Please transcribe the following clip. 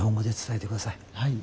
はい。